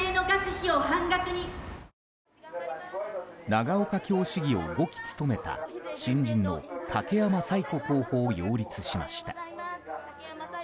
長岡京市議を５期務めた新人の武山彩子候補を擁立しました。